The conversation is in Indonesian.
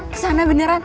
ke sana beneran